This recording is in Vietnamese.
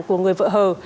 của người vợ hờ